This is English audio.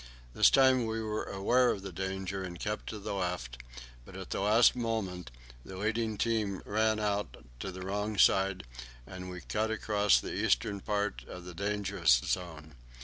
This time we were aware of the danger, and kept to the left; but at the last moment the leading team ran out to the wrong side, and we cut across the eastern part of the dangerous zone.